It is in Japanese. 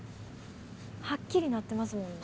はっきり鳴ってますもんね